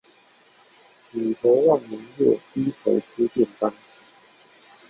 舉頭望明月，低頭吃便當